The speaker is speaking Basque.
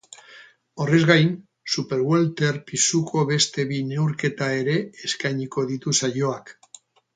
Horrez gain, superwelter pisuko beste bi neurketa ere eskainiko ditu saioak.